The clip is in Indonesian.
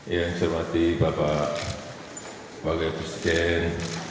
yang saya hormati bapak wakil presiden